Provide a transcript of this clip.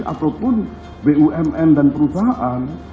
ataupun bumn dan perusahaan